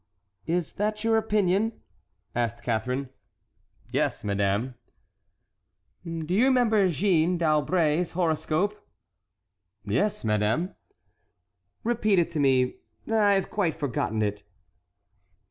"Is that your opinion?" asked Catharine. "Yes, madame." "Do you remember Jeanne d'Albret's horoscope?" "Yes, madame." "Repeat it to me, I have quite forgotten it."